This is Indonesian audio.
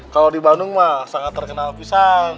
kalau di bandung mah sangat terkenal pisang